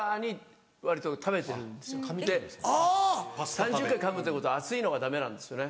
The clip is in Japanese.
３０回かむということは熱いのがダメなんですよね。